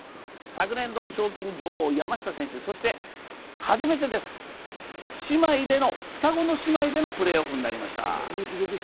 賞金女王・山下選手、そして初めてです、双子の姉妹でのプレーオフになりました。